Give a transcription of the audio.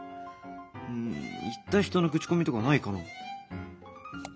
うん行った人の口コミとかないかな？